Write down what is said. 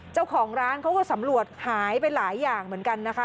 เจ้าของร้านเขาก็สำรวจหายไปหลายอย่างเหมือนกันนะคะ